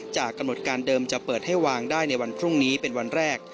กำหนดการเดิมจะเปิดให้วางได้ในวันพรุ่งนี้เป็นวันแรก